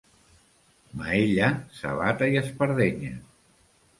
Maella, sabata i espardenya.